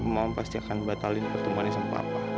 mama pasti akan batalin pertemuan yang sama papa